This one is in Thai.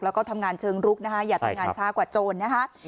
แล้วก็ทำงานเชิงรุกนะคะอย่าทำงานช้ากว่าโจรนะคะ